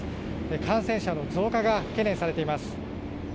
感染者の増加が懸念されています。